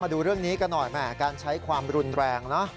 ดูเรื่องนี้กันหน่อยแหมการใช้ความรุนแรงนะ